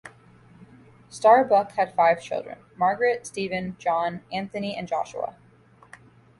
Starbuck had five children: Margaret, Stephen, John, Anthony, and Joshua.